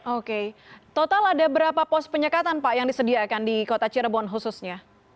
oke total ada berapa pos penyekatan pak yang disediakan di kota cirebon khususnya